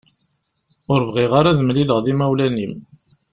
Ur bɣiɣ ara ad mlileɣ imawlan-im.